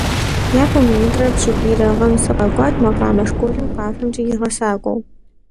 Япэу минитӀрэ пщӀыкӀуирэ гъэм сыкъэкӀуат макъамэ школым къафэмкӀэ и гъэсакӀуэу.